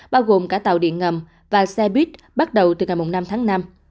bao gồm cả tàu điện ngầm và xe buýt bắt đầu từ ngày năm tháng năm